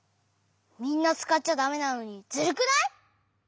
みんなつかっちゃだめなのにズルくない？